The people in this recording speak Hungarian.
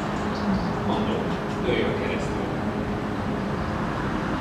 Mondom, lőjön keresztül!